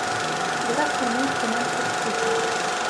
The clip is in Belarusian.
Зараз яны, прынамсі, слухаюць.